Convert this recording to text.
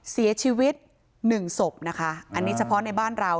เสียชีวิตหนึ่งศพนะคะอันนี้เฉพาะในบ้านเรา